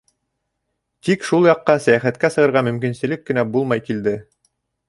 Тик шул яҡҡа сәйәхәткә сығырға мөмкинселек кенә булмай килде.